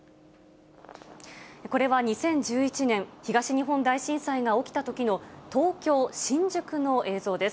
これは２０１１年、東日本大震災が起きたときの、東京・新宿の映像です。